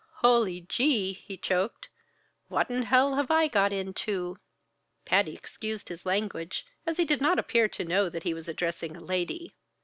"Holy gee!" he choked. "What in hell uv I got into?" Patty excused his language, as he did not appear to know that he was addressing a lady.